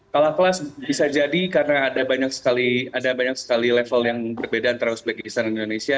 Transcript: kalah kelas bisa jadi karena ada banyak sekali level yang berbeda antara uzbekistan dan indonesia